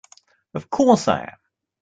Of course I am!